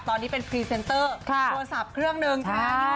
ตอนนี้เป็นพรีเซนเตอร์โทรศัพท์เครื่องหนึ่ง